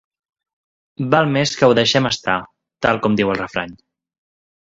Val més que ho deixem estar, tal com diu el refrany.